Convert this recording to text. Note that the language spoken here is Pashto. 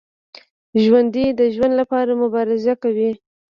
ژوندي د ژوند لپاره مبارزه کوي